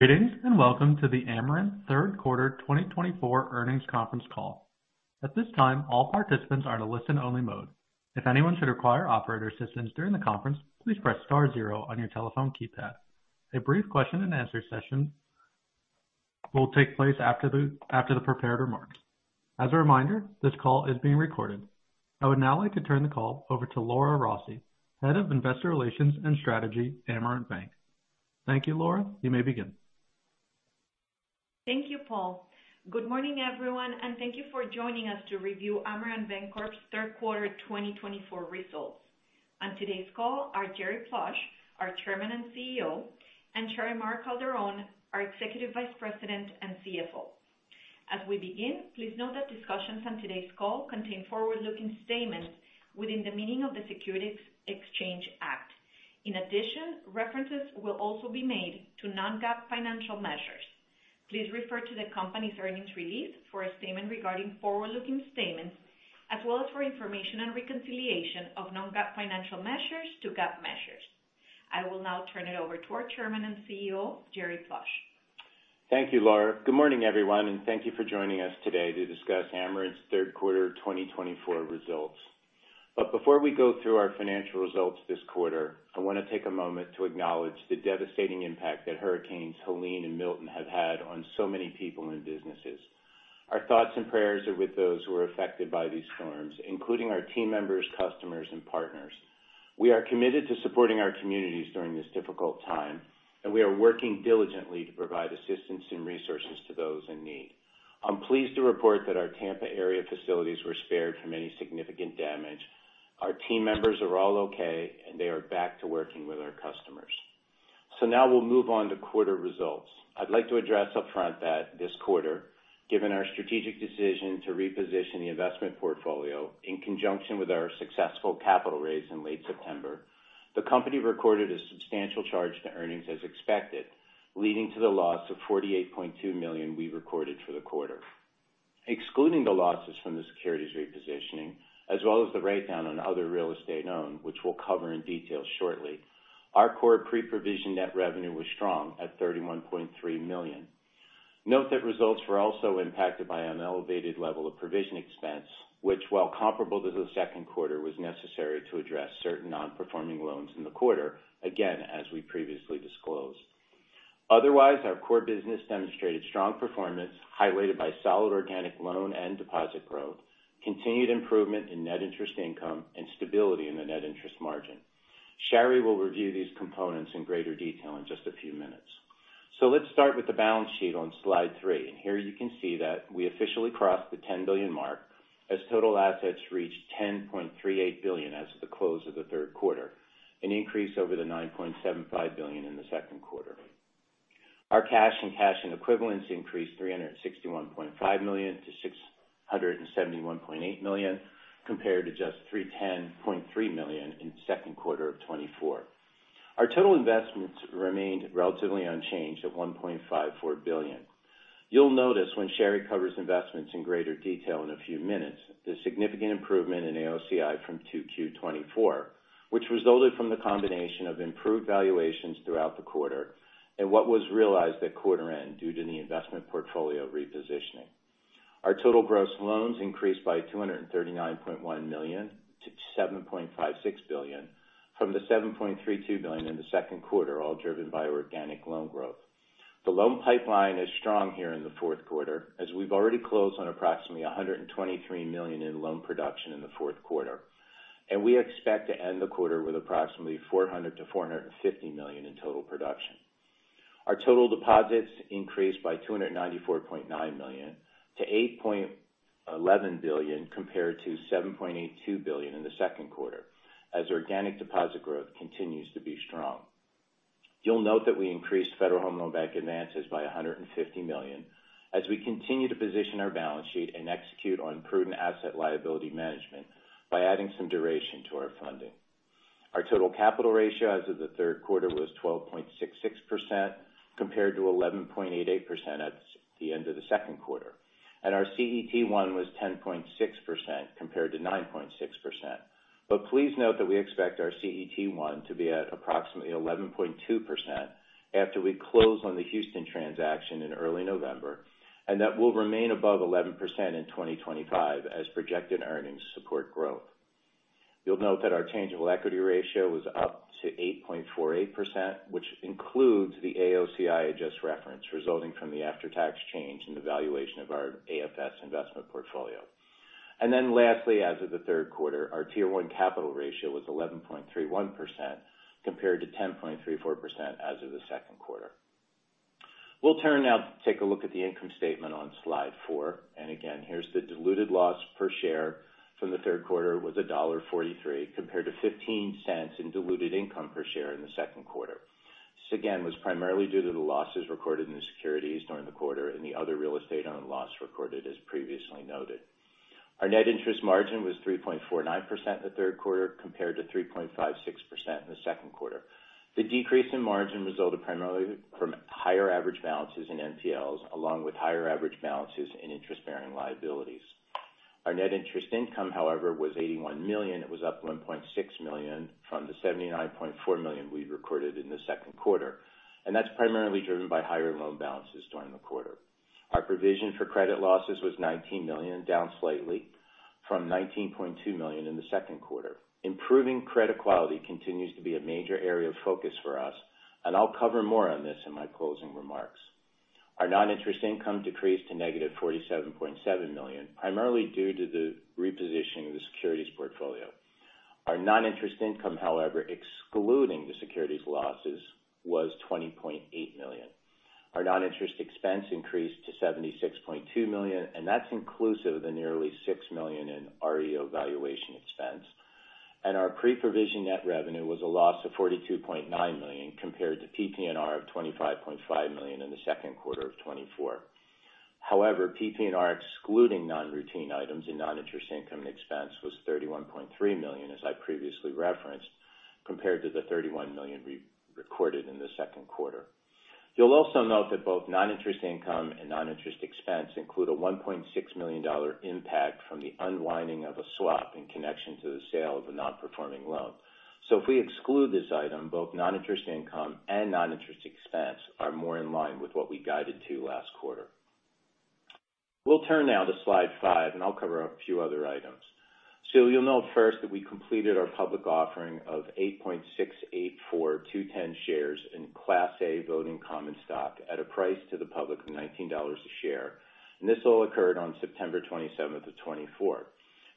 Greetings, and welcome to the Amerant third quarter twenty twenty-four earnings conference call. At this time, all participants are in a listen-only mode. If anyone should require operator assistance during the conference, please press star zero on your telephone keypad. A brief question and answer session will take place after the prepared remarks. As a reminder, this call is being recorded. I would now like to turn the call over to Laura Rossi, Head of Investor Relations and Strategy, Amerant Bank. Thank you, Laura. You may begin. Thank you, Paul. Good morning, everyone, and thank you for joining us to review Amerant Bancorp's third quarter twenty twenty-four results. On today's call are Jerry Plush, our Chairman and CEO, and Sharymar Calderón, our Executive Vice President and CFO. As we begin, please note that discussions on today's call contain forward-looking statements within the meaning of the Securities Exchange Act.In addition, references will also be made to non-GAAP financial measures. Please refer to the company's earnings release for a statement regarding forward-looking statements, as well as for information and reconciliation of non-GAAP financial measures to GAAP measures. I will now turn it over to our Chairman and CEO, Jerry Plush. Thank you, Laura. Good morning, everyone, and thank you for joining us today to discuss Amerant's third quarter twenty twenty-four results. But before we go through our financial results this quarter, I want to take a moment to acknowledge the devastating impact that Hurricanes Helene and Milton have had on so many people and businesses. Our thoughts and prayers are with those who are affected by these storms, including our team members, customers, and partners. We are committed to supporting our communities during this difficult time, and we are working diligently to provide assistance and resources to those in need. I'm pleased to report that our Tampa area facilities were spared from any significant damage. Our team members are all okay, and they are back to working with our customers. So now we'll move on to quarter results. I'd like to address upfront that this quarter, given our strategic decision to reposition the investment portfolio in conjunction with our successful capital raise in late September, the company recorded a substantial charge to earnings as expected, leading to the loss of $48.2 million we recorded for the quarter. Excluding the losses from the securities repositioning, as well as the write-down on other real estate owned, which we'll cover in detail shortly, our core pre-provision net revenue was strong at $31.3 million. Note that results were also impacted by an elevated level of provision expense, which, while comparable to the second quarter, was necessary to address certain non-performing loans in the quarter, again, as we previously disclosed. Otherwise, our core business demonstrated strong performance, highlighted by solid organic loan and deposit growth, continued improvement in net interest income, and stability in the net interest margin. Shari will review these components in greater detail in just a few minutes. Let's start with the balance sheet on slide 3, and here you can see that we officially crossed the $10 billion mark as total assets reached $10.38 billion as of the close of the third quarter, an increase over the $9.75 billion in the second quarter. Our cash and cash equivalents increased $361.5 million to $671.8 million, compared to just $310.3 million in the second quarter of 2024. Our total investments remained relatively unchanged at $1.54 billion. You'll notice when Shari covers investments in greater detail in a few minutes, the significant improvement in AOCI from 2Q24, which resulted from the combination of improved valuations throughout the quarter and what was realized at quarter end due to the investment portfolio repositioning. Our total gross loans increased by $239.1 million to $7.56 billion, from the $7.32 billion in the second quarter, all driven by organic loan growth. The loan pipeline is strong here in the fourth quarter, as we've already closed on approximately $123 million in loan production in the fourth quarter, and we expect to end the quarter with approximately $400 million-$450 million in total production. Our total deposits increased by $294.9 million to $8.11 billion, compared to $7.82 billion in the second quarter, as organic deposit growth continues to be strong. You'll note that we increased Federal Home Loan Bank advances by $150 million as we continue to position our balance sheet and execute on prudent asset liability management by adding some duration to our funding. Our total capital ratio as of the third quarter was 12.66%, compared to 11.88% at the end of the second quarter, and our CET1 was 10.6% compared to 9.6%. Please note that we expect our CET1 to be at approximately 11.2% after we close on the Houston transaction in early November, and that will remain above 11% in 2025 as projected earnings support growth. You'll note that our tangible equity ratio was up to 8.48%, which includes the AOCI I just referenced, resulting from the after-tax change in the valuation of our AFS investment portfolio. Then lastly, as of the third quarter, our Tier One capital ratio was 11.31%, compared to 10.34% as of the second quarter. We'll turn now to take a look at the income statement on slide four. Again, here's the diluted loss per share from the third quarter with a $1.43, compared to $0.15 in diluted income per share in the second quarter. This again, was primarily due to the losses recorded in the securities during the quarter and the other real estate owned loss recorded, as previously noted. Our net interest margin was 3.49% in the third quarter, compared to 3.56% in the second quarter. The decrease in margin resulted primarily from higher average balances in NPLs, along with higher average balances in interest-bearing liabilities. Our net interest income, however, was $81 million. It was up $1.6 million from the $79.4 million we recorded in the second quarter, and that's primarily driven by higher loan balances during the quarter. Our provision for credit losses was $19 million, down slightly from $19.2 million in the second quarter. Improving credit quality continues to be a major area of focus for us, and I'll cover more on this in my closing remarks. Our non-interest income decreased to -$47.7 million, primarily due to the repositioning of the securities portfolio. Our non-interest income, however, excluding the securities losses, was $20.8 million. Our non-interest expense increased to $76.2 million, and that's inclusive of the nearly $6 million in OREO valuation expense, and our pre-provision net revenue was a loss of $42.9 million, compared to PPNR of $25.5 million in the second quarter of 2024. However, PPNR, excluding non-routine items and non-interest income and expense, was $31.3 million, as I previously referenced, compared to the $31 million we recorded in the second quarter. You'll also note that both non-interest income and non-interest expense include a $1.6 million impact from the unwinding of a swap in connection to the sale of a non-performing loan. So if we exclude this item, both non-interest income and non-interest expense are more in line with what we guided to last quarter. We'll turn now to slide five, and I'll cover a few other items. So you'll note first that we completed our public offering of 8,684,210 shares in Class A voting common stock at a price to the public of $19 a share, and this all occurred on September twenty-seventh of 2024.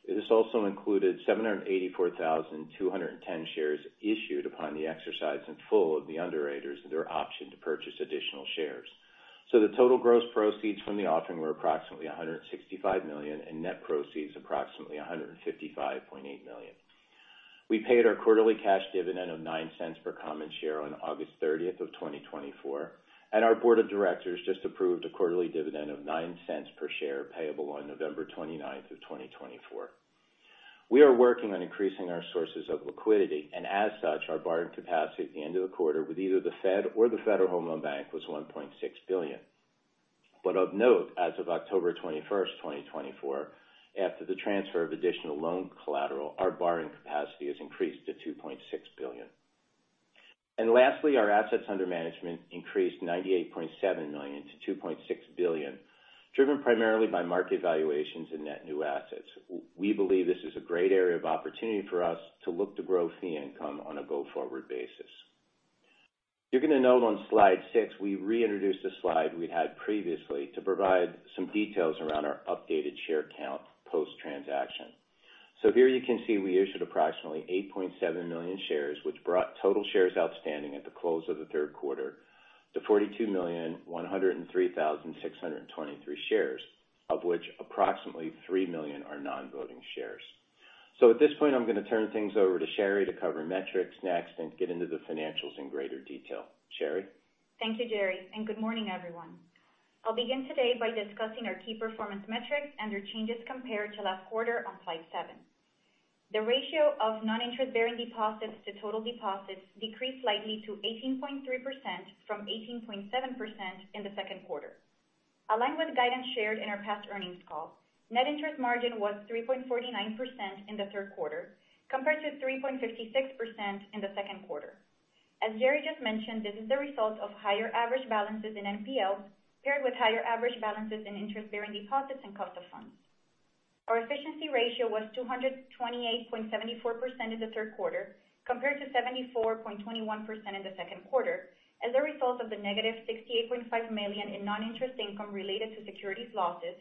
This also included 784,210 shares issued upon the exercise in full of the underwriters' option to purchase additional shares. The total gross proceeds from the offering were approximately $165 million, and net proceeds, approximately $155.8 million. We paid our quarterly cash dividend of $0.09 per common share on August 30th, 2024, and our board of directors just approved a quarterly dividend of $0.09 per share, payable on November 29th, 2024. We are working on increasing our sources of liquidity, and as such, our borrowing capacity at the end of the quarter, with either the Fed or the Federal Home Loan Bank, was $1.6 billion. Of note, as of October 21st, 2024, after the transfer of additional loan collateral, our borrowing capacity has increased to $2.6 billion. Lastly, our assets under management increased $98.7 million to $2.6 billion, driven primarily by market valuations and net new assets. We believe this is a great area of opportunity for us to look to grow fee income on a go-forward basis. You're gonna note on slide 6, we reintroduced a slide we'd had previously to provide some details around our updated share count post-transaction. Here you can see we issued approximately 8.7 million shares, which brought total shares outstanding at the close of the third quarter to 42 million, 103,000, 623 shares, of which approximately 3 million are non-voting shares. At this point, I'm gonna turn things over to Shari to cover metrics next and get into the financials in greater detail. Shari? Thank you, Jerry, and good morning, everyone. I'll begin today by discussing our key performance metrics and their changes compared to last quarter on slide seven. The ratio of non-interest-bearing deposits to total deposits decreased slightly to 18.3% from 18.7% in the second quarter. Along with guidance shared in our past earnings call, net interest margin was 3.49% in the third quarter, compared to 3.56% in the second quarter. As Jerry just mentioned, this is the result of higher average balances in NPL, paired with higher average balances in interest-bearing deposits and cost of funds. Our efficiency ratio was 228.74% in the third quarter, compared to 74.21% in the second quarter, as a result of the -$68.5 million in non-interest income related to securities losses,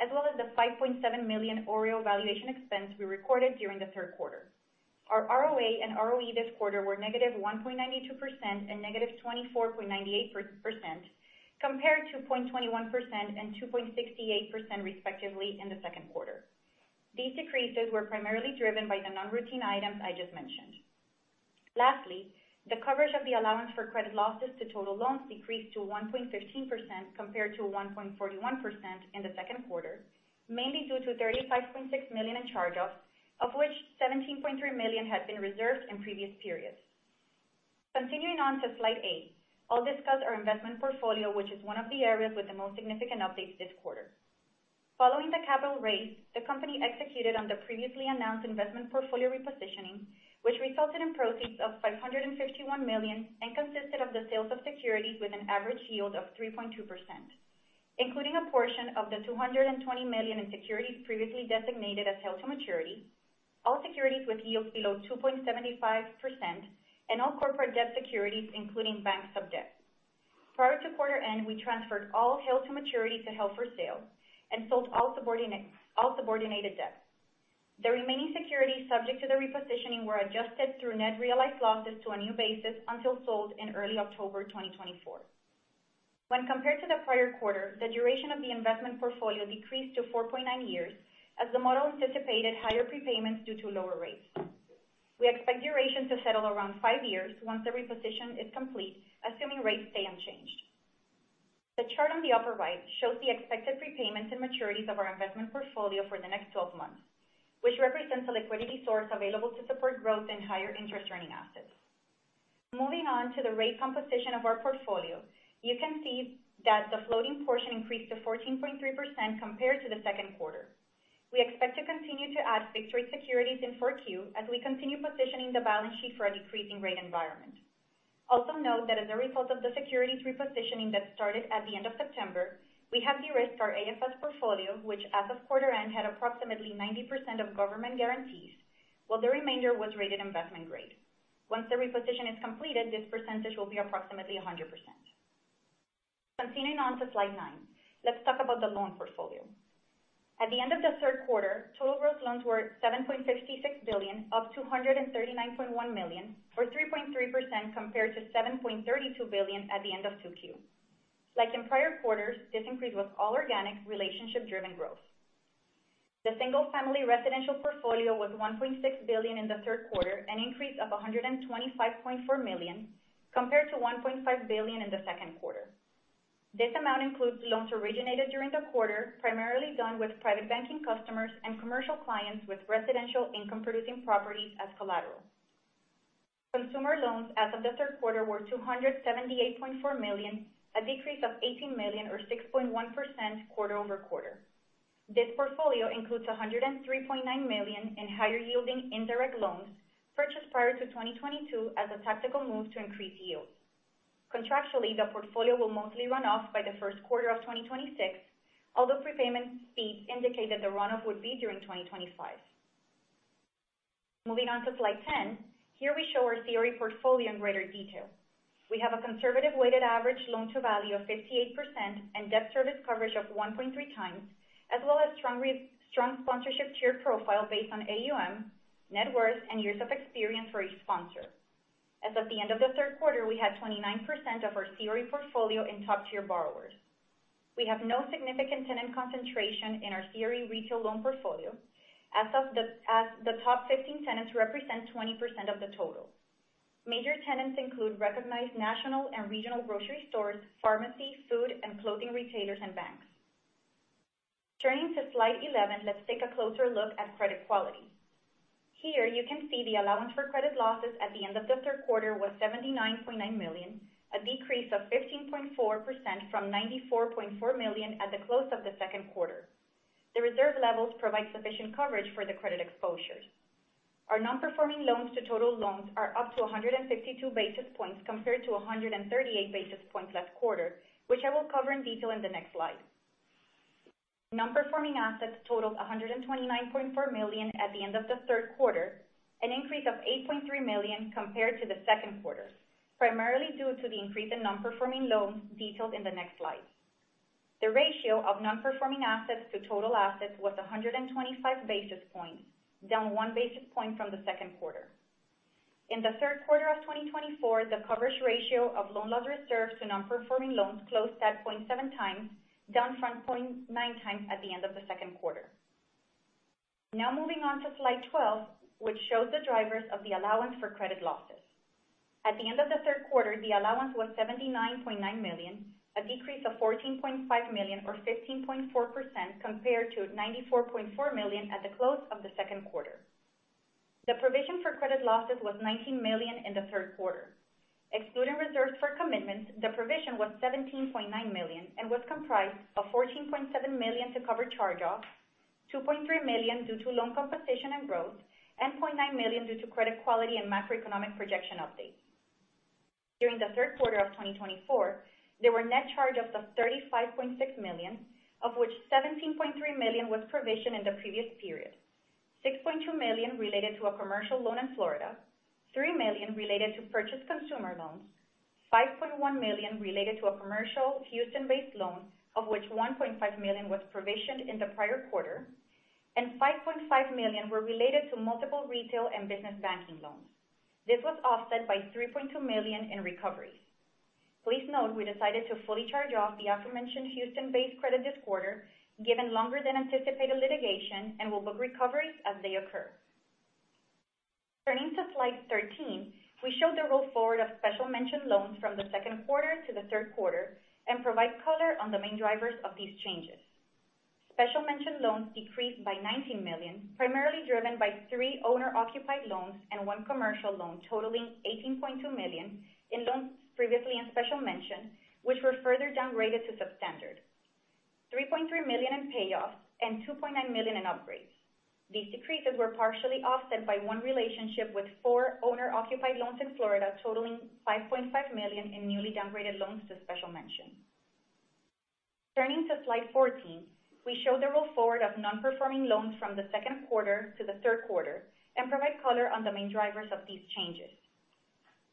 as well as the $5.7 million OREO valuation expense we recorded during the third quarter. Our ROA and ROE this quarter were -1.92% and -24.98%, compared to 0.21% and 2.68%, respectively, in the second quarter. These decreases were primarily driven by the non-routine items I just mentioned. Lastly, the coverage of the allowance for credit losses to total loans decreased to 1.13%, compared to 1.41% in the second quarter, mainly due to $35.6 million in charge-offs, of which $17.3 million had been reserved in previous periods. Continuing on to slide eight, I'll discuss our investment portfolio, which is one of the areas with the most significant updates this quarter. Following the capital raise, the company executed on the previously announced investment portfolio repositioning, which resulted in proceeds of $551 million and consisted of the sales of securities with an average yield of 3.2%, including a portion of the $220 million in securities previously designated as held to maturity, all securities with yields below 2.75%, and all corporate debt securities, including bank sub-debt. Prior to quarter end, we transferred all held-to-maturity to held-for-sale and sold all subordinated debt. The remaining securities subject to the repositioning were adjusted through net realized losses to a new basis until sold in early October 2024. When compared to the prior quarter, the duration of the investment portfolio decreased to 4.9 years, as the model anticipated higher prepayments due to lower rates. We expect duration to settle around five years once the reposition is complete, assuming rates stay unchanged. The chart on the upper right shows the expected prepayments and maturities of our investment portfolio for the next 12 months, which represents a liquidity source available to support growth and higher interest-earning assets. Moving on to the rate composition of our portfolio, you can see that the floating portion increased to 14.3% compared to the second quarter. We expect to continue to add fixed-rate securities in 4Q as we continue positioning the balance sheet for a decreasing rate environment. Also note that as a result of the securities repositioning that started at the end of September, we have de-risked our AFS portfolio, which, as of quarter end, had approximately 90% of government guarantees, while the remainder was rated investment grade. Once the reposition is completed, this percentage will be approximately 100%. Continuing on to slide 9, let's talk about the loan portfolio. At the end of the third quarter, total gross loans were $7.66 billion, up $239.1 million, or 3.3% compared to $7.32 billion at the end of 2Q. Like in prior quarters, this increase was all organic, relationship-driven growth. The single-family residential portfolio was $1.6 billion in the third quarter, an increase of $125.4 million, compared to $1.5 billion in the second quarter. This amount includes loans originated during the quarter, primarily done with private banking customers and commercial clients with residential income-producing properties as collateral. Consumer loans as of the third quarter were $278.4 million, a decrease of $18 million or 6.1% quarter-over-quarter. This portfolio includes $103.9 million in higher-yielding indirect loans purchased prior to 2022 as a tactical move to increase yield. Contractually, the portfolio will mostly run off by the first quarter of 2026, although prepayment fees indicate that the run-off would be during 2025. Moving on to slide 10. Here we show our CRE portfolio in greater detail. We have a conservative weighted average loan-to-value of 58% and debt service coverage of 1.3 times, as well as strong sponsorship tier profile based on AUM, net worth, and years of experience for each sponsor. As of the end of the third quarter, we had 29% of our CRE portfolio in top-tier borrowers. We have no significant tenant concentration in our CRE retail loan portfolio. As of the top 15 tenants represent 20% of the total. Major tenants include recognized national and regional grocery stores, pharmacy, food, and clothing retailers and banks. Turning to slide 11, let's take a closer look at credit quality. Here you can see the Allowance for Credit Losses at the end of the third quarter was $79.9 million, a decrease of 15.4% from $94.4 million at the close of the second quarter. The reserve levels provide sufficient coverage for the credit exposures. Our non-performing loans to total loans are up to 152 basis points compared to 138 basis points last quarter, which I will cover in detail in the next slide. Non-performing assets totaled $129.4 million at the end of the third quarter, an increase of $8.3 million compared to the second quarter, primarily due to the increase in non-performing loans detailed in the next slide. The ratio of non-performing assets to total assets was 125 basis points, down one basis point from the second quarter. In the third quarter of 2024, the coverage ratio of loan loss reserves to non-performing loans closed at 0.7 times, down from 0.9 times at the end of the second quarter. Now moving on to slide 12, which shows the drivers of the allowance for credit losses. At the end of the third quarter, the allowance was $79.9 million, a decrease of $14.5 million or 15.4% compared to $94.4 million at the close of the second quarter. The provision for credit losses was $19 million in the third quarter. Excluding reserves for commitments, the provision was $17.9 million and was comprised of $14.7 million to cover charge-offs, $2.3 million due to loan composition and growth, and $0.9 million due to credit quality and macroeconomic projection updates. During the third quarter of 2024, there were net charge-offs of $35.6 million, of which $17.3 million was provisioned in the previous period. $6.2 million related to a commercial loan in Florida, $3 million related to purchase consumer loans, $5.1 million related to a commercial Houston-based loan, of which $1.5 million was provisioned in the prior quarter, and $5.5 million were related to multiple retail and business banking loans. This was offset by $3.2 million in recoveries. Please note, we decided to fully charge off the aforementioned Houston-based credit this quarter, given longer than anticipated litigation and will book recoveries as they occur. Turning to slide 13, we show the roll forward of special mention loans from the second quarter to the third quarter and provide color on the main drivers of these changes. Special mention loans decreased by $19 million, primarily driven by three owner-occupied loans and one commercial loan totaling $18.2 million in loans previously in special mention, which were further downgraded to substandard. $3.3 million in payoffs and $2.9 million in upgrades. These decreases were partially offset by one relationship with four owner-occupied loans in Florida, totaling $5.5 million in newly downgraded loans to special mention. Turning to slide 14, we show the roll forward of non-performing loans from the second quarter to the third quarter and provide color on the main drivers of these changes.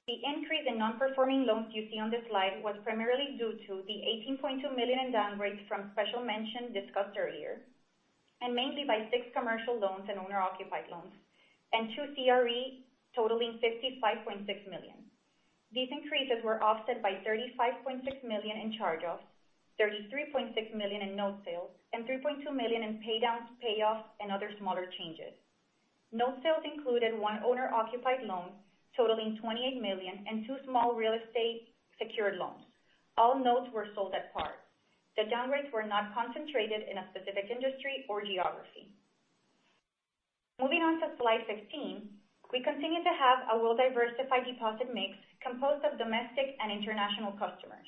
The increase in non-performing loans you see on this slide was primarily due to the $18.2 million in downgrades from special mention discussed earlier, and mainly by six commercial loans and owner-occupied loans and two CRE totaling $55.6 million. These increases were offset by $35.6 million in charge-offs, $33.6 million in note sales, and $3.2 million in paydowns, payoffs and other smaller changes. Note sales included one owner-occupied loan totaling $28 million and two small real estate secured loans. All notes were sold at par. The downgrades were not concentrated in a specific industry or geography. Moving on to slide 16, we continue to have a well-diversified deposit mix composed of domestic and international customers.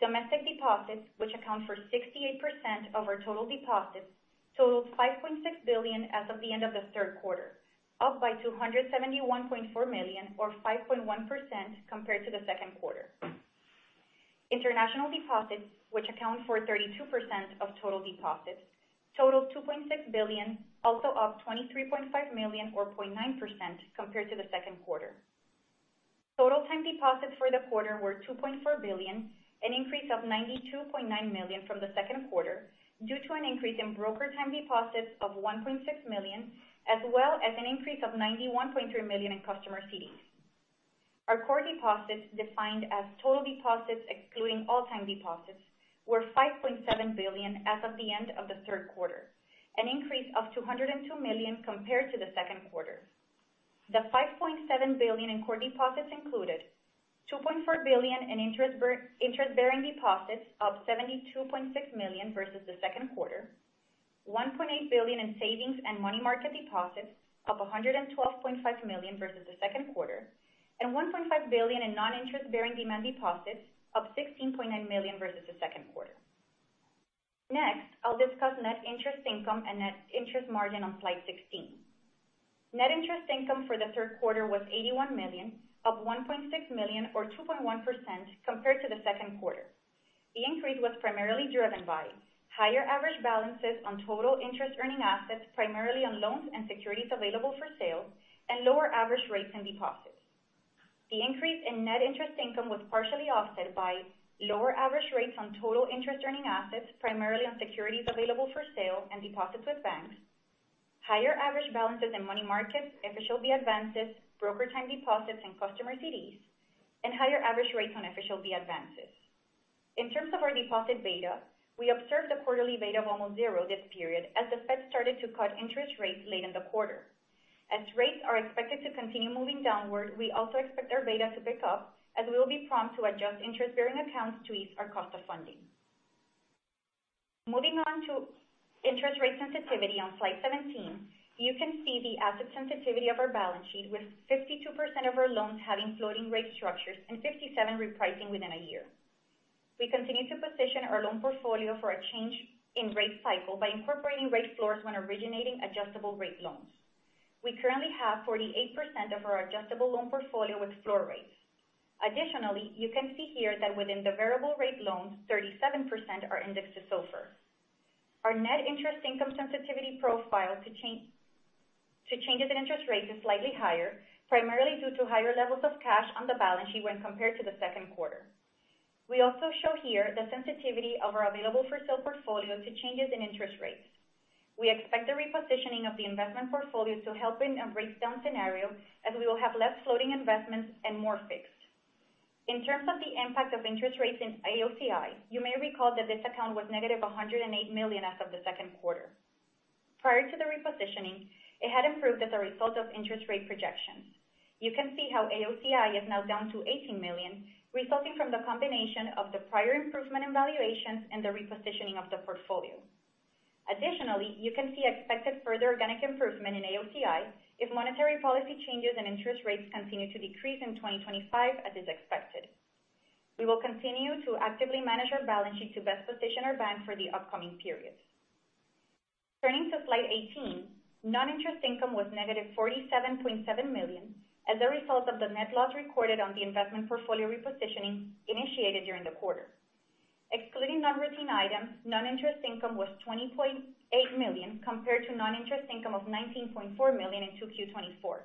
Domestic deposits, which account for 68% of our total deposits, totaled $5.6 billion as of the end of the third quarter, up by $271.4 million or 5.1% compared to the second quarter. International deposits, which account for 32% of total deposits, totaled $2.6 billion, also up $23.5 million or 0.9% compared to the second quarter. Total time deposits for the quarter were $2.4 billion, an increase of $92.9 million from the second quarter, due to an increase in brokered time deposits of $1.6 million, as well as an increase of $91.3 million in customer CDs. Our core deposits, defined as total deposits excluding all time deposits, were $5.7 billion as of the end of the third quarter, an increase of $202 million compared to the second quarter. The $5.7 billion in core deposits included $2.4 billion in interest-bearing deposits, up $72.6 million versus the second quarter. $1.8 billion in savings and money market deposits, up $112.5 million versus the second quarter, and $1.5 billion in non-interest-bearing demand deposits, up $16.9 million versus the second quarter. Next, I'll discuss net interest income and net interest margin on slide sixteen. Net interest income for the third quarter was $81 million, up $1.6 million or 2.1% compared to the second quarter. The increase was primarily driven by higher average balances on total interest-earning assets, primarily on loans and securities available for sale, and lower average rates and deposits. The increase in net interest income was partially offset by lower average rates on total interest-earning assets, primarily on securities available for sale and deposits with banks, higher average balances in money markets, FHLB advances, broker time deposits and customer CDs, and higher average rates on FHLB advances. In terms of our deposit beta, we observed a quarterly beta of almost zero this period as the Fed started to cut interest rates late in the quarter. As rates are expected to continue moving downward, we also expect our beta to pick up, as we will be prompt to adjust interest-bearing accounts to ease our cost of funding. Moving on to interest rate sensitivity on slide 17, you can see the asset sensitivity of our balance sheet, with 52% of our loans having floating rate structures and 57 repricing within a year. We continue to position our loan portfolio for a change in rate cycle by incorporating rate floors when originating adjustable-rate loans. We currently have 48% of our adjustable loan portfolio with floor rates. Additionally, you can see here that within the variable rate loans, 37% are indexed to SOFR. Our net interest income sensitivity profile to changes in interest rates is slightly higher, primarily due to higher levels of cash on the balance sheet when compared to the second quarter. We also show here the sensitivity of our available-for-sale portfolio to changes in interest rates. We expect the repositioning of the investment portfolio to help in a rate down scenario, as we will have less floating investments and more fixed. In terms of the impact of interest rates in AOCI, you may recall that this account was negative $108 million as of the second quarter. Prior to the repositioning, it had improved as a result of interest rate projections. You can see how AOCI is now down to $18 million, resulting from the combination of the prior improvement in valuations and the repositioning of the portfolio. Additionally, you can see expected further organic improvement in AOCI if monetary policy changes and interest rates continue to decrease in 2025, as is expected. We will continue to actively manage our balance sheet to best position our bank for the upcoming periods. Turning to slide 18, non-interest income was negative $47.7 million as a result of the net loss recorded on the investment portfolio repositioning initiated during the quarter. Excluding non-routine items, non-interest income was $20.8 million, compared to non-interest income of $19.4 million in 2Q-2024.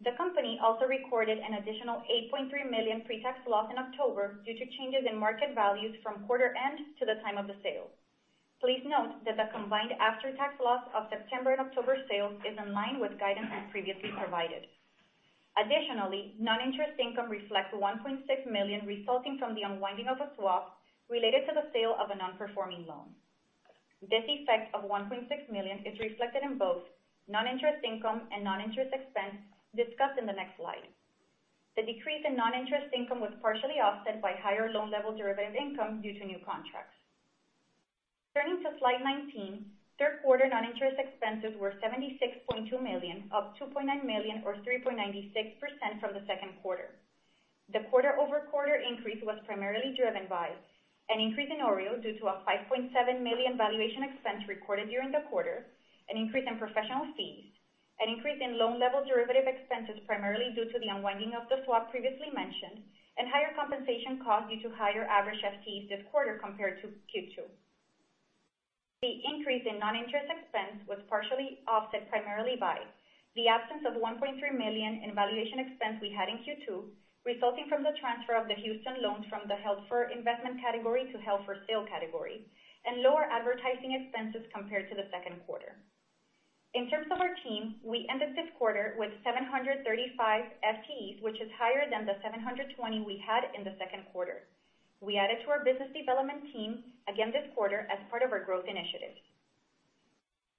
The company also recorded an additional $8.3 million pre-tax loss in October due to changes in market values from quarter end to the time of the sale. Please note that the combined after-tax loss of September and October sales is in line with guidance as previously provided. Additionally, non-interest income reflects $1.6 million, resulting from the unwinding of a swap related to the sale of a non-performing loan. This effect of $1.6 million is reflected in both non-interest income and non-interest expense discussed in the next slide. The decrease in non-interest income was partially offset by higher loan level derivative income due to new contracts. Turning to slide 19, third quarter non-interest expenses were $76.2 million, up $2.9 million or 3.96% from the second quarter. The quarter-over-quarter increase was primarily driven by an increase in OREO due to a $5.7 million valuation expense recorded during the quarter, an increase in professional fees, an increase in loan level derivative expenses, primarily due to the unwinding of the swap previously mentioned, and higher compensation costs due to higher average FTEs this quarter compared to Q2. The increase in non-interest expense was partially offset primarily by the absence of $1.3 million in valuation expense we had in Q2, resulting from the transfer of the Houston loans from the held for investment category to held for sale category, and lower advertising expenses compared to the second quarter. In terms of our team, we ended this quarter with 735 FTEs, which is higher than the 720 we had in the second quarter. We added to our business development team again this quarter as part of our growth initiative.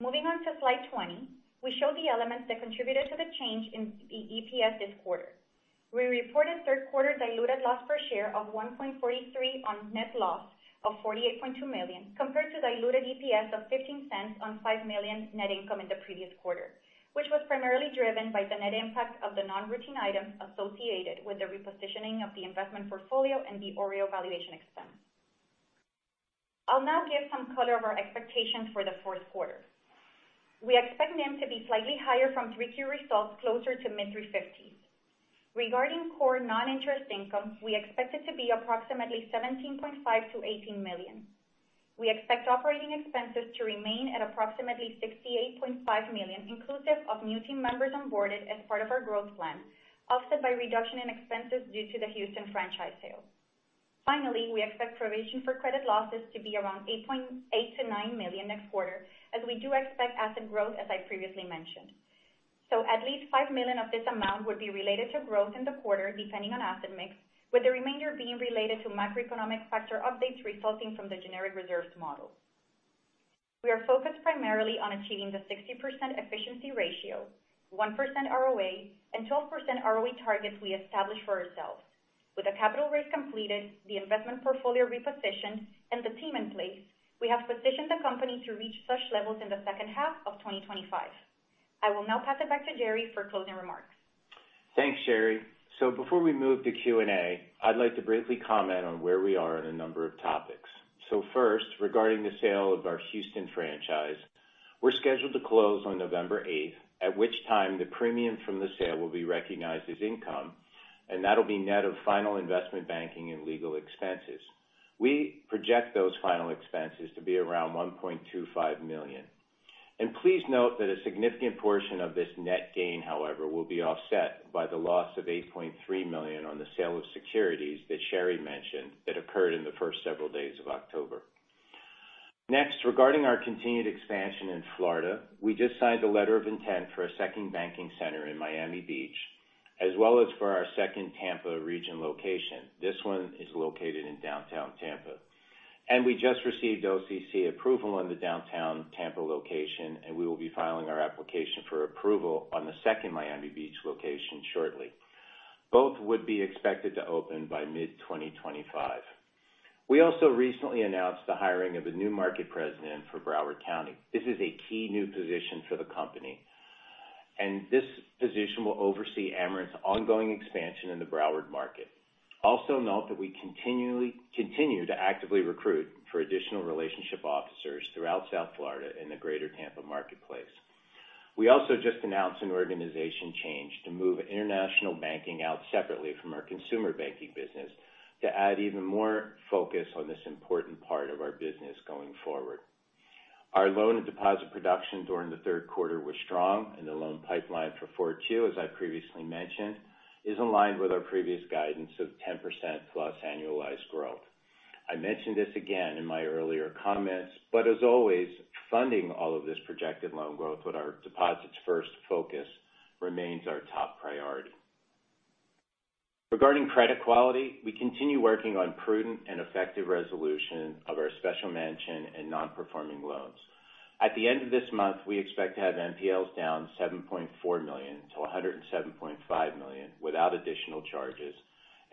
Moving on to slide 20, we show the elements that contributed to the change in the EPS this quarter. We reported third quarter diluted loss per share of $1.43 on net loss of $48.2 million, compared to diluted EPS of $0.15 on $5 million net income in the previous quarter, which was primarily driven by the net impact of the non-routine items associated with the repositioning of the investment portfolio and the OREO valuation expense. I'll now give some color on our expectations for the fourth quarter. We expect NIM to be slightly higher from 3Q results, closer to mid three fifties. Regarding core non-interest income, we expect it to be approximately $17.5 million-$18 million. We expect operating expenses to remain at approximately $68.5 million, inclusive of new team members onboarded as part of our growth plan, offset by reduction in expenses due to the Houston franchise sale. Finally, we expect provision for credit losses to be around $8.8 million-$9 million next quarter, as we do expect asset growth, as I previously mentioned. So at least $5 million of this amount would be related to growth in the quarter, depending on asset mix, with the remainder being related to macroeconomic factor updates resulting from the generic reserves model. We are focused primarily on achieving the 60% efficiency ratio, 1% ROA, and 12% ROE targets we established for ourselves. With the capital raise completed, the investment portfolio repositioned, and the team in place, we have positioned the company to reach such levels in the second half of 2025. I will now pass it back to Jerry for closing remarks. Thanks, Shari. So before we move to Q&A, I'd like to briefly comment on where we are on a number of topics. So first, regarding the sale of our Houston franchise, we're scheduled to close on November eighth, at which time the premium from the sale will be recognized as income, and that'll be net of final investment banking and legal expenses. We project those final expenses to be around $1.25 million. And please note that a significant portion of this net gain, however, will be offset by the loss of $8.3 million on the sale of securities that Shari mentioned that occurred in the first several days of October. Next, regarding our continued expansion in Florida, we just signed a letter of intent for a second banking center in Miami Beach, as well as for our second Tampa region location. This one is located in downtown Tampa, and we just received OCC approval on the downtown Tampa location, and we will be filing our application for approval on the second Miami Beach location shortly. Both would be expected to open by mid-2025. We also recently announced the hiring of a new market president for Broward County. This is a key new position for the company, and this position will oversee Amerant's ongoing expansion in the Broward market. Also note that we continue to actively recruit for additional relationship officers throughout South Florida and the greater Tampa marketplace. We also just announced an organizational change to move international banking out separately from our consumer banking business to add even more focus on this important part of our business going forward. Our loan and deposit production during the third quarter was strong, and the loan pipeline for Q4, as I previously mentioned, is in line with our previous guidance of 10% plus annualized growth. I mentioned this again in my earlier comments, but as always, funding all of this projected loan growth with our deposits-first focus remains our top priority. Regarding credit quality, we continue working on prudent and effective resolution of our special mention and non-performing loans. At the end of this month, we expect to have NPLs down $7.4 million to $107.5 million without additional charges,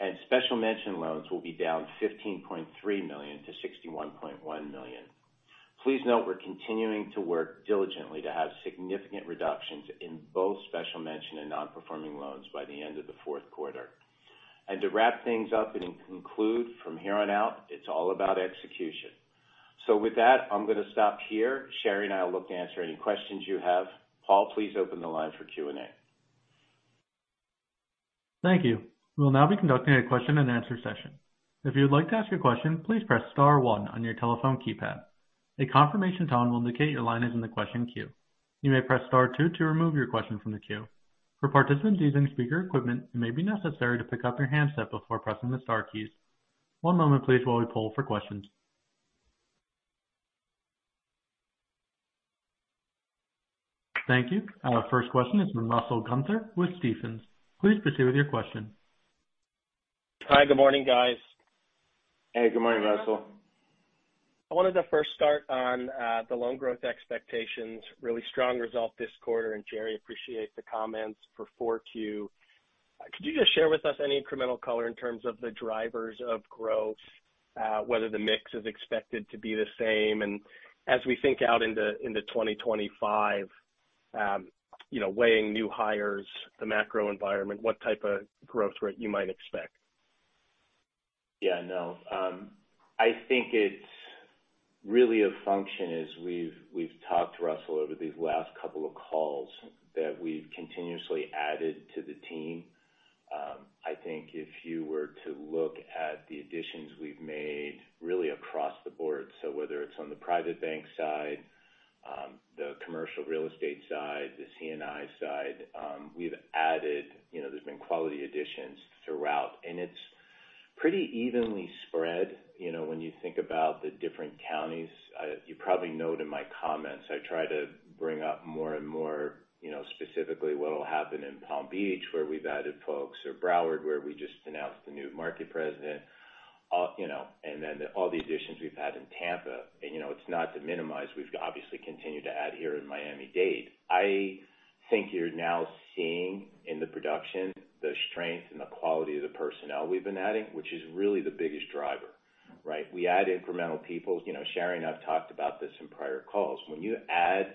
and special mention loans will be down $15.3 million to $61.1 million. Please note, we're continuing to work diligently to have significant reductions in both special mention and non-performing loans by the end of the fourth quarter. And to wrap things up and conclude from here on out, it's all about execution. So with that, I'm going to stop here. Shari and I will look to answer any questions you have. Paul, please open the line for Q&A. Thank you. We'll now be conducting a question-and-answer session. If you would like to ask a question, please press star one on your telephone keypad. A confirmation tone will indicate your line is in the question queue. You may press star two to remove your question from the queue. For participants using speaker equipment, it may be necessary to pick up your handset before pressing the star keys. One moment please while we poll for questions. Thank you. Our first question is from Russell Gunther with Stephens. Please proceed with your question. Hi, good morning, guys. Hey, good morning, Russell. I wanted to first start on the loan growth expectations. Really strong result this quarter, and Jerry, appreciate the comments for Q4 too. Could you just share with us any incremental color in terms of the drivers of growth? Whether the mix is expected to be the same? As we think out into twenty twenty-five, you know, weighing new hires, the macro environment, what type of growth rate you might expect? Yeah, no. I think it's really a function, as we've talked, Russell, over these last couple of calls, that we've continuously added to the team. I think if you were to look at the additions we've made really across the board, so whether it's on the private bank side, the commercial real estate side, the C&I side, we've added you know, there's been quality additions throughout, and it's pretty evenly spread. You know, when you think about the different counties, you probably note in my comments, I try to bring up more and more, you know, specifically what will happen in Palm Beach, where we've added folks, or Broward, where we just announced the new market president. you know, and then all the additions we've had in Tampa, and, you know, it's not to minimize, we've obviously continued to add here in Miami-Dade. I think you're now seeing in the production, the strength and the quality of the personnel we've been adding, which is really the biggest driver, right? We add incremental people. You know, Shari and I've talked about this in prior calls. When you add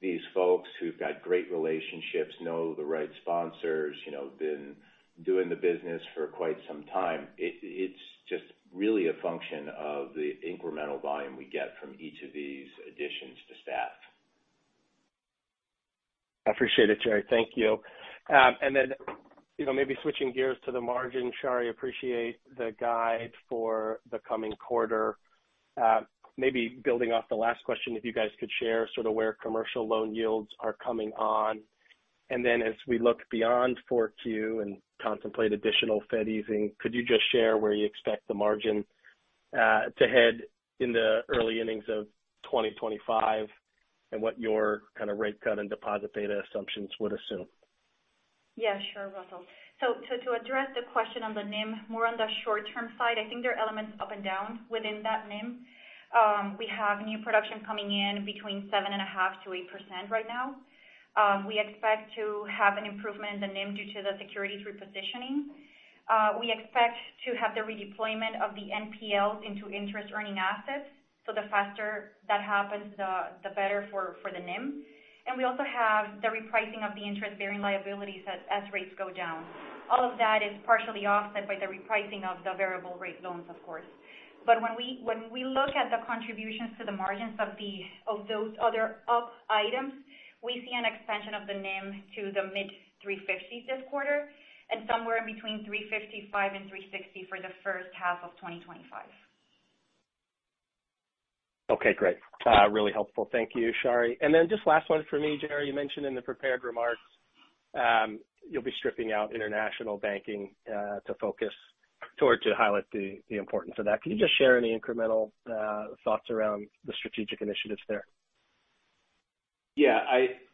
these folks who've got great relationships, know the right sponsors, you know, been doing the business for quite some time, it, it's just really a function of the incremental volume we get from each of these additions to staff. I appreciate it, Jerry. Thank you. And then, you know, maybe switching gears to the margin, Shari, appreciate the guide for the coming quarter. Maybe building off the last question, if you guys could share sort of where commercial loan yields are coming on. And then as we look beyond four Q and contemplate additional Fed easing, could you just share where you expect the margin to head in the early innings of twenty twenty-five, and what your kind of rate cut and deposit beta assumptions would assume? Yeah, sure, Russell. So to address the question on the NIM, more on the short-term side, I think there are elements up and down within that NIM. We have new production coming in between 7.5% to 8% right now. We expect to have an improvement in the NIM due to the securities repositioning. We expect to have the redeployment of the NPLs into interest-earning assets, so the faster that happens, the better for the NIM. And we also have the repricing of the interest-bearing liabilities as rates go down. All of that is partially offset by the repricing of the variable rate loans, of course. But when we look at the contributions to the margins of those other up items, we see an expansion of the NIM to the mid-3.50s this quarter, and somewhere in between 3.55% and 3.60% for the first half of 2025. Okay, great. Really helpful. Thank you, Shari. And then just last one for me, Jerry. You mentioned in the prepared remarks, you'll be stripping out international banking to focus toward to highlight the importance of that. Can you just share any incremental thoughts around the strategic initiatives there? Yeah,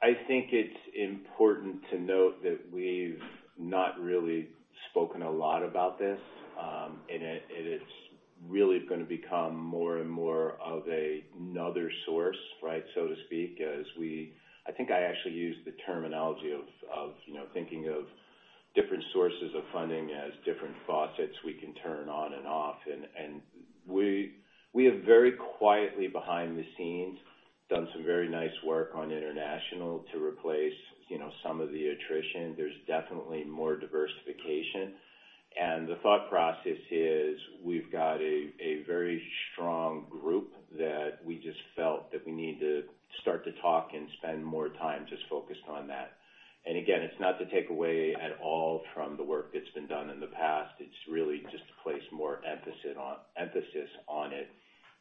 I think it's important to note that we've not really spoken a lot about this, and it's really going to become more and more of another source, right, so to speak, as we... I think I actually used the terminology of, you know, thinking of different sources of funding as different faucets we can turn on and off. And we have very quietly, behind the scenes, done some very nice work on international to replace, you know, some of the attrition. There's definitely more diversification. And the thought process is, we've got a very strong group that we just felt that we need to start to talk and spend more time just focused on that. And again, it's not to take away at all from the work that's been done in the past. It's really just to place more emphasis on it,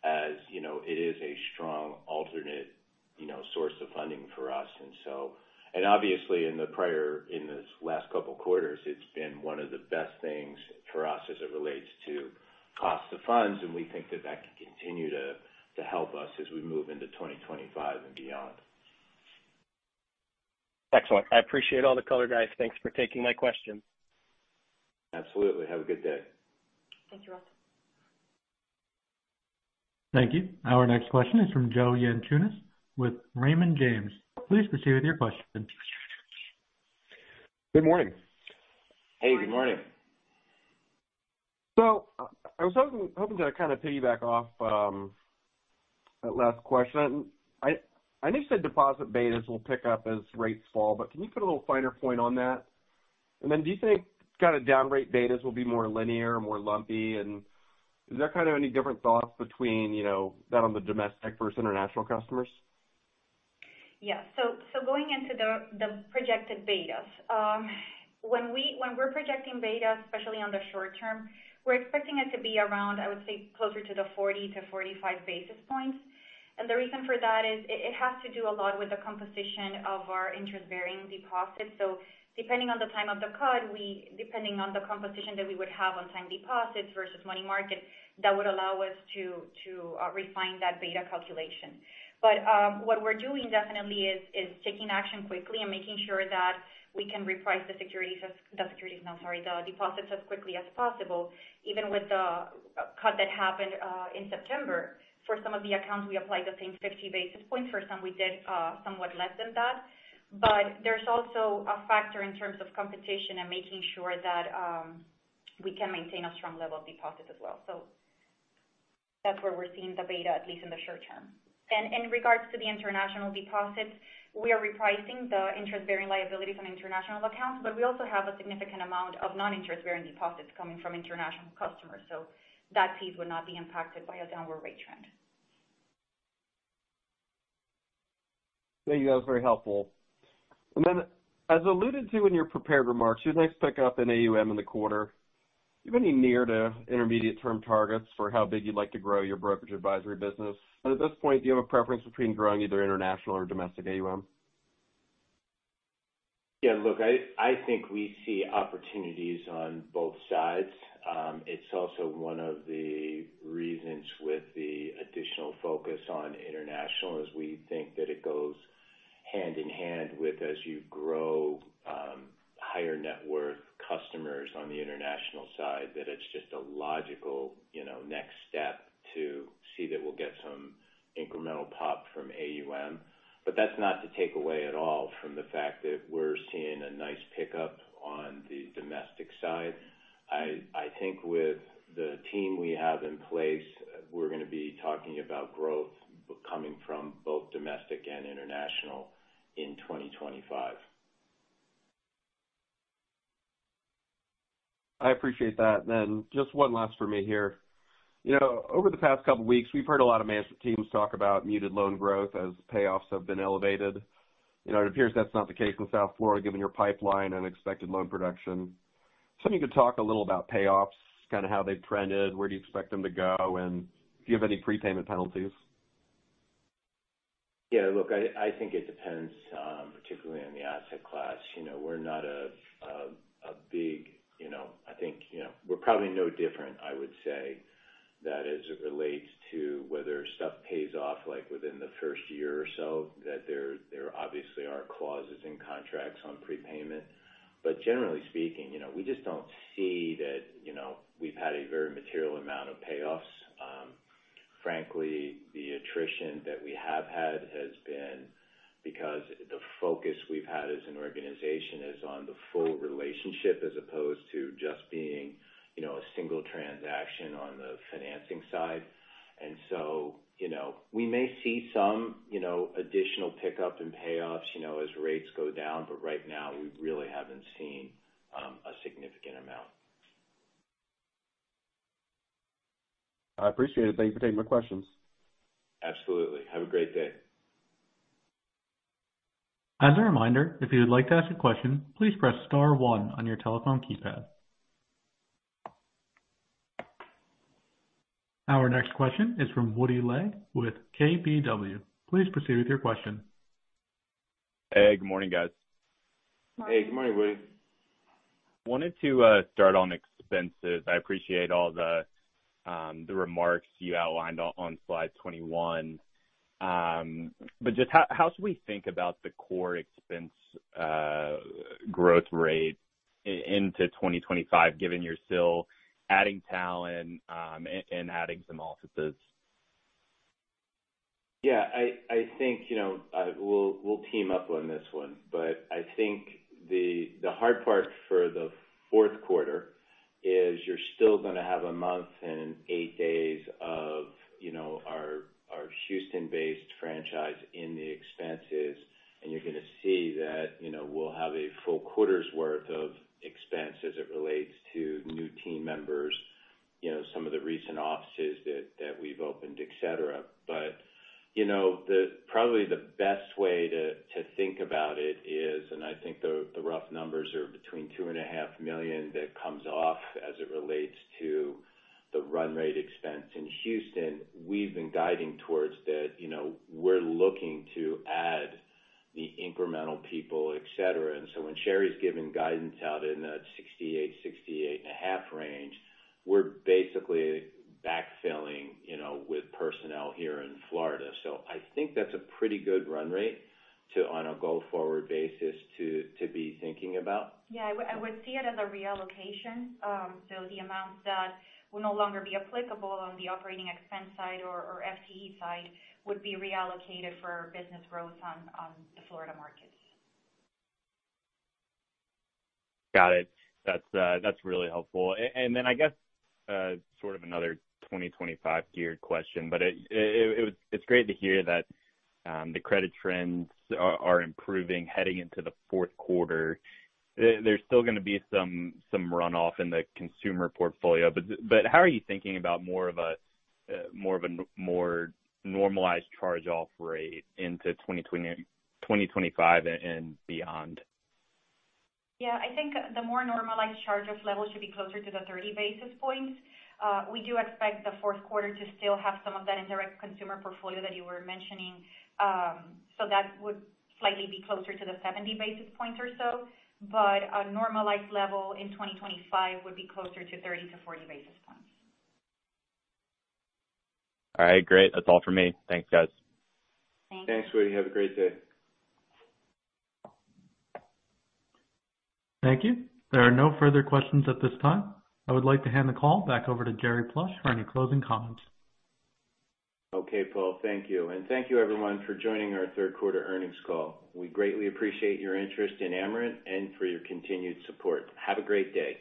as you know, it is a strong alternate, you know, source of funding for us. And so and obviously, in this last couple of quarters, it's been one of the best things for us as it relates to cost of funds, and we think that that could continue to help us as we move into twenty twenty-five and beyond. Excellent. I appreciate all the color, guys. Thanks for taking my questions. Absolutely. Have a good day. Thank you, Russell. Thank you. Our next question is from Joe Yanchunis with Raymond James. Please proceed with your question. Good morning. Hey, good morning. I was hoping to kind of piggyback off that last question. I know you said deposit betas will pick up as rates fall, but can you put a little finer point on that? And then do you think kind of down rate betas will be more linear, more lumpy, and is there kind of any different thoughts between, you know, that on the domestic versus international customers? Yeah. So going into the projected betas. When we're projecting beta, especially on the short term, we're expecting it to be around, I would say, closer to the 40-45 basis points. And the reason for that is it has to do a lot with the composition of our interest-bearing deposits. So depending on the time of the cut, depending on the composition that we would have on time deposits versus money market, that would allow us to refine that beta calculation. But what we're doing definitely is taking action quickly and making sure that we can reprice the securities, no, sorry, the deposits as quickly as possible, even with the cut that happened in September. For some of the accounts, we applied the same 50 basis points. For some, we did somewhat less than that. But there's also a factor in terms of competition and making sure that we can maintain a strong level of deposits as well. So that's where we're seeing the beta, at least in the short term. And in regards to the international deposits, we are repricing the interest-bearing liabilities on international accounts, but we also have a significant amount of non-interest-bearing deposits coming from international customers. So that piece would not be impacted by a downward rate trend. Thank you. That was very helpful. And then, as alluded to in your prepared remarks, you'd like to pick up an AUM in the quarter. Do you have any near to intermediate-term targets for how big you'd like to grow your brokerage advisory business? And at this point, do you have a preference between growing either international or domestic AUM? Yeah, look, I think we see opportunities on both sides. It's also with the additional focus on international, as we think that it goes hand in hand with as you grow higher net worth customers on the international side, that it's just a logical, you know, next step to see that we'll get some incremental pop from AUM. But that's not to take away at all from the fact that we're seeing a nice pickup on the domestic side. I think with the team we have in place, we're gonna be talking about growth coming from both domestic and international in twenty twenty-five. I appreciate that. Then just one last for me here. You know, over the past couple weeks, we've heard a lot of management teams talk about muted loan growth as payoffs have been elevated. You know, it appears that's not the case in South Florida, given your pipeline and expected loan production. So if you could talk a little about payoffs, kind of how they've trended, where do you expect them to go, and do you have any prepayment penalties? Yeah, look, I think it depends, particularly on the asset class. You know, we're not a big, you know. I think, you know, we're probably no different, I would say, that as it relates to whether stuff pays off, like, within the first year or so, that there obviously are clauses in contracts on prepayment. But generally speaking, you know, we just don't see that, you know, we've had a very material amount of payoffs. Frankly, the attrition that we have had has been because the focus we've had as an organization is on the full relationship as opposed to just being, you know, a single transaction on the financing side. And so, you know, we may see some, you know, additional pickup in payoffs, you know, as rates go down, but right now, we really haven't seen a significant amount. I appreciate it. Thank you for taking my questions. Absolutely. Have a great day. As a reminder, if you would like to ask a question, please press star one on your telephone keypad. Our next question is from Woody Lay with KBW. Please proceed with your question. Hey, good morning, guys. Hey, good morning, Woody. Wanted to start on expenses. I appreciate all the remarks you outlined on slide 21, but just how should we think about the core expense growth rate into 2025, given you're still adding talent and adding some offices? Yeah, I think, you know, we'll team up on this one. But I think the hard part for the fourth quarter is you're still gonna have a month and eight days of, you know, our Houston-based franchise in the expenses, and you're gonna see that, you know, we'll have a full quarter's worth of expense as it relates to new team members, you know, some of the recent offices that we've opened, et cetera. But, you know, the, probably the best way to think about it is, and I think the rough numbers are $2.5 million that comes off as it relates to the run rate expense in Houston. We've been guiding towards that. You know, we're looking to add the incremental people, et cetera. When Shari's giving guidance out in that 68-68.5 range, we're basically backfilling, you know, with personnel here in Florida. I think that's a pretty good run rate to, on a go-forward basis, to be thinking about. Yeah, I would see it as a reallocation. So the amount that will no longer be applicable on the operating expense side or FTE side would be reallocated for business growth on the Florida markets. Got it. That's really helpful. And then I guess sort of another 2025 geared question, but it's great to hear that the credit trends are improving heading into the fourth quarter. There's still gonna be some runoff in the consumer portfolio, but how are you thinking about more of a more normalized charge-off rate into 2025 and beyond? Yeah, I think the more normalized charge-off level should be closer to the thirty basis points. We do expect the fourth quarter to still have some of that indirect consumer portfolio that you were mentioning. So that would slightly be closer to the seventy basis points or so, but a normalized level in twenty twenty-five would be closer to thirty to forty basis points. All right, great. That's all for me. Thanks, guys. Thank you. Thanks, Woody. Have a great day. Thank you. There are no further questions at this time. I would like to hand the call back over to Jerry Plush for any closing comments. Okay, Paul, thank you, and thank you everyone for joining our third quarter earnings call. We greatly appreciate your interest in Amerant and for your continued support. Have a great day.